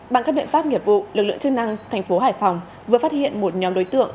bằng các biện pháp nghiệp vụ lực lượng chức năng thành phố hải phòng vừa phát hiện một nhóm đối tượng